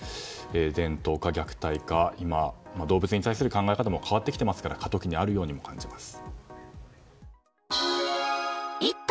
伝統か、虐待か今、動物に対する考え方も変わってきていますから過渡期にあるように感じます。